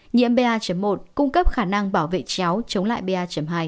nhiễm ba một cung cấp khả năng bảo vệ chéo chống lại ba hai